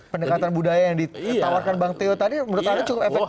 pendekatan budaya yang ditawarkan bang teo tadi menurut anda cukup efektif